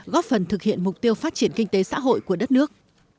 góp phần thực hiện mục tiêu phát triển kinh tế xã hội của đất nước